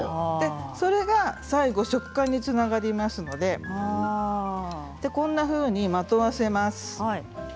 それが最後、食感につながりますのでこんなふうにまとわせます。